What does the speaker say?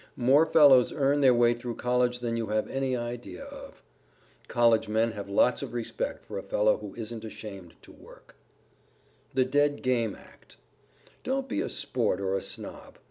More fellows earn their way through College than you have any idea of. College men have lots of respect for a fellow who isn't ashamed to work. [Sidenote: THE DEAD GAME ACT] Don't be a Sport or a Snob.